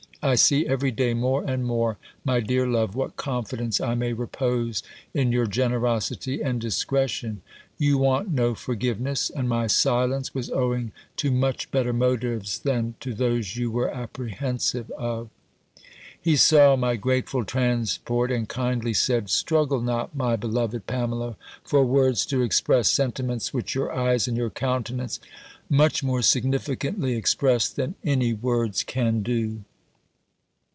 I see every day more and more, my dear love, what confidence I may repose in your generosity and discretion! You want no forgiveness; and my silence was owing to much better motives than to those you were apprehensive of." He saw my grateful transport, and kindly said, "Struggle not, my beloved Pamela, for words to express sentiments which your eyes and your countenance much more significantly express than any words can do.